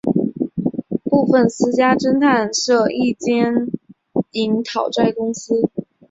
部份私家侦探社亦兼营讨债公司。